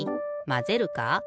まぜるか？